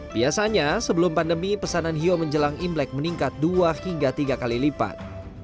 biasanya sebelum pandemi pesanan hiyo menjelang imlek meningkat dua hingga tiga kali lipat